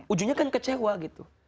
ujungnya kan kecewa gitu